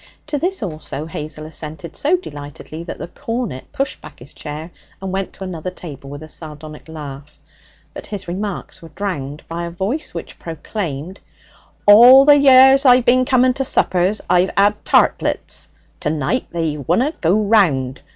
To this also Hazel assented so delightedly that the cornet pushed back his chair and went to another table with a sardonic laugh. But his remarks were drowned by a voice which proclaimed: 'All the years I've bin to suppers I've 'ad tartlets! To night they wunna go round.